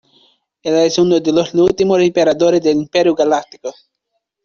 Él es uno de los últimos emperadores del Imperio Galáctico.